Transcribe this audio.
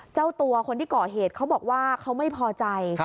เจ้าตัวคนที่ก่อเหตุเขาบอกว่าเขาไม่พอใจ